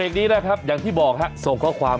คู่กันสะบัดข่าว